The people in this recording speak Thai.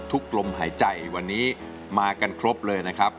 ลมหายใจวันนี้มากันครบเลยนะครับ